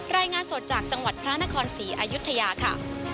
รายงานสดจากจังหวัดพระนครศรีอายุทยาค่ะ